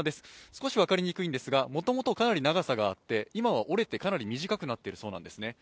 少し分かりにくいんですが、もともとかなり長さがあって今は折れて、かなり短くなっているそうなんですね。